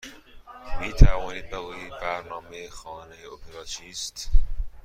می توانید بگویید برنامه خانه اپرا چیست؟